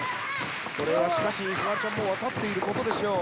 これはフワちゃんも分かっていることでしょう。